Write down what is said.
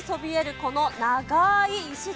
この長い石段。